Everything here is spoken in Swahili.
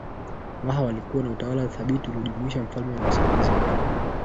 Waha walikuwa na utawala thabiti uliojumuisha mfalme wa wasaidizi wake